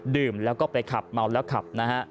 ดื่มแล้วก็ไปขับเมาแล้วขับนะฮะ